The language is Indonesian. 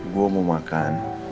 gue mau makan